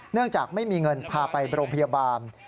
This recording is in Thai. จากไม่มีเงินพาไปโรงพยาบาล